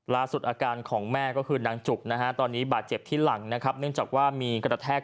ลาสุดอาการของแม่ก็คือนางจุบตอนนี้บาดเจ็บที่หลังเนื่องจากว่ามีกระแทกกับพื้นถนน